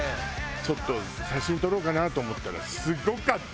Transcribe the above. ちょっと写真撮ろうかなと思ったらすごかった！